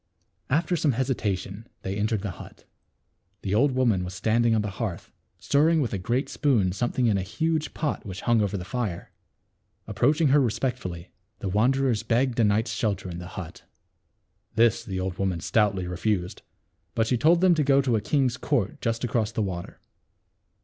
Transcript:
After some hesitation they entered the hut. The old woman was standing on the hearth, stirring with a great spoon something in a huge pot which hung over the fire. Approaching THE WITCH'S TREASURES. 241 her respectfully the wanderers begged a night's shelter in the hut. This the old woman stoutly refused ; but she told them to go to a king's court just across the water.